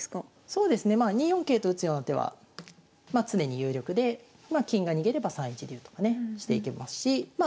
そうですねまあ２四桂と打つような手はまあ常に有力でまあ金が逃げれば３一竜とかねしていけますしま